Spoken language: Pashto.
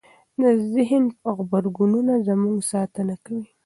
د ذهن غبرګونونه زموږ ساتنه کوي.